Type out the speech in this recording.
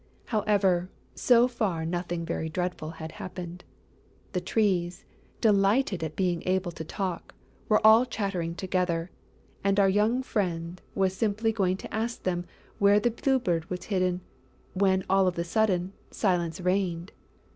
However, so far nothing very dreadful had happened. The Trees, delighted at being able to talk, were all chattering together; and our young friend was simply going to ask them where the Blue Bird was hidden, when, all of a sudden, silence reigned.